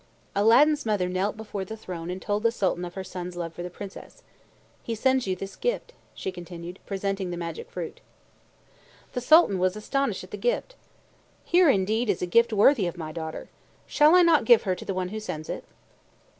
Aladdin's mother knelt before the throne and told the Sultan of her son's love for the Princess. "He sends you this gift," she continued, presenting the magic fruit. The Sultan was astonished at the gift. He exclaimed, "Here indeed is a gift worthy of my daughter! Shall I not give her to the one who sends it?"